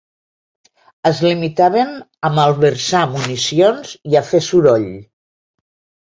Es limitaven a malversar municions i a fer soroll